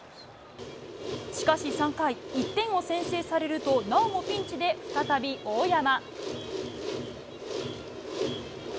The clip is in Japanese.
しかし３回、１点を先制されると、なおもピンチで再び大山。